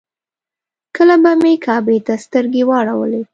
کله به مې کعبې ته سترګې واړولې.